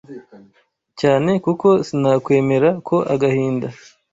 cyane kuko sinakwemera ko agahinda